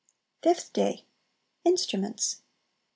Fifth Day. Instruments.